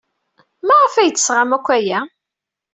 Maɣef ay d-tesɣam akk aya?